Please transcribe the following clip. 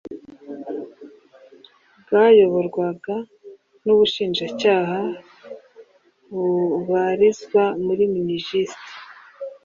bwayoborwaga n’Ubushinjacyaha bubarizwa muri Minijust